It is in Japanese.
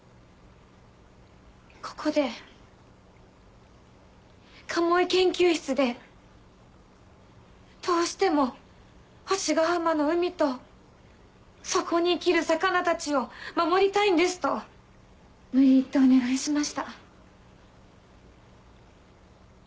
ここで鴨居研究室でどうしても星ヶ浜の海とそこに生きる魚たちを守りたいんですと無理言ってお願いしました。